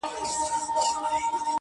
• سیاه پوسي ده، ماسوم یې ژاړي.